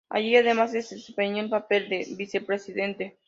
Allí, además, desempeñó el papel de vicepresidente.